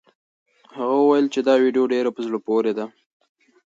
هغه وویل چې دا ویډیو ډېره په زړه پورې ده.